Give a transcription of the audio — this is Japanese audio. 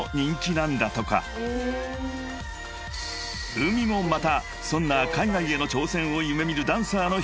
［ＵＭＩもまたそんな海外への挑戦を夢見るダンサーの一人］